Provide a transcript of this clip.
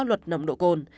luật nồng độ cồn